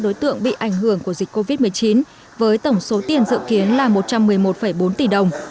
đối tượng bị ảnh hưởng của dịch covid một mươi chín với tổng số tiền dự kiến là một trăm một mươi một bốn tỷ đồng